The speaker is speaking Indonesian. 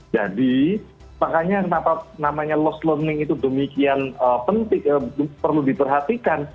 jadi makanya kenapa namanya lost learning itu demikian penting perlu diperhatikan